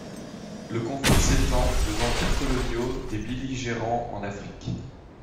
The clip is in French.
Le conflit s'étend aux empires coloniaux des belligérants en Afrique.